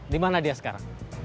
dimana dia sekarang